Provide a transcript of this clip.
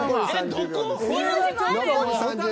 どこ？